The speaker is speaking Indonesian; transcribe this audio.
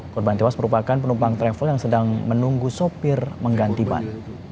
korban tewas merupakan penumpang travel yang sedang menunggu sopir mengganti ban